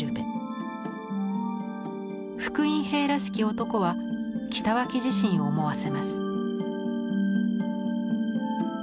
復員兵らしき男は北脇自身を思わせます。